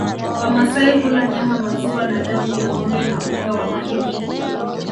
Wamasai hula nyama maziwa na damu ya ngombe na unga wa mahindi